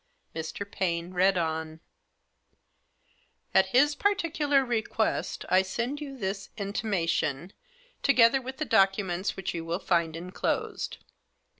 Mr. Paine read on :"' At his particular request I send you this intima tion, together with the documents which you will find enclosed.